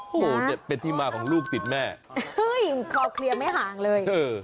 โหเป็นที่มาของลูกติดแม่เฮ้ยคอเคลียร์ไม่ห่างเลยเออ